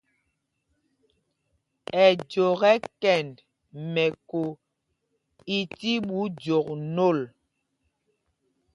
Ɛjok ɛ́ kɛnd mɛ̄ko i ti ɓu jɔk nôl.